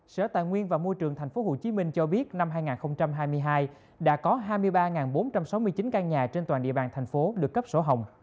sở tài nguyên và môi trường tp hcm cho biết năm hai nghìn hai mươi hai đã có hai mươi ba bốn trăm sáu mươi chín căn nhà trên toàn địa bàn thành phố được cấp sổ hồng